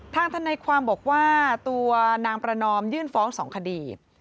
ทนายความบอกว่าตัวนางประนอมยื่นฟ้อง๒คดี